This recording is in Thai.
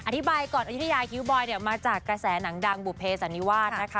อธิบายก่อนอายุทยาคิ้วบอยเนี่ยมาจากกระแสหนังดังบุเภสันนิวาสนะคะ